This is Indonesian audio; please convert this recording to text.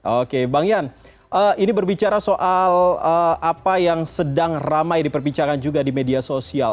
oke bang yan ini berbicara soal apa yang sedang ramai diperbincangkan juga di media sosial